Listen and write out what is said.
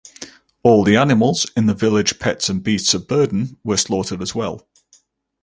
All the animals in the village-pets and beasts of burden-were slaughtered as well.